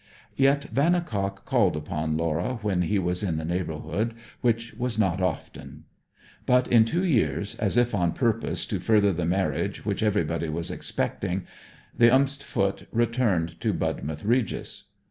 Yet Vannicock called upon Laura when he was in the neighbourhood, which was not often; but in two years, as if on purpose to further the marriage which everybody was expecting, the st Foot returned to Budmouth Regis.